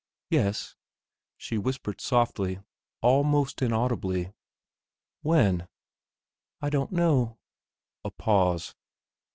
"Yes," she whispered softly, almost inaudibly. "When?" "I don't know." A pause....